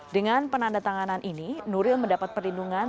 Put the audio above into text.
dengan penandatanganan ini nuril mendapat perlindungan